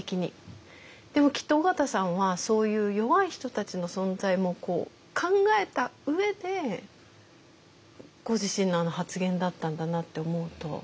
でもきっと緒方さんはそういう弱い人たちの存在も考えた上でご自身のあの発言だったんだなって思うと。